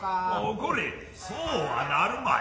コレそうはなるまい。